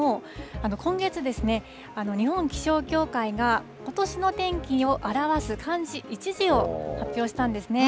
今月ですね、日本気象協会が、ことしの天気を表す漢字１字を発表したんですね。